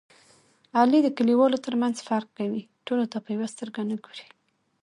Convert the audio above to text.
علي د کلیوالو ترمنځ فرق کوي. ټولو ته په یوه سترګه نه ګوري.